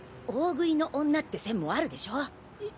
大食いの女って線もあるでしょ？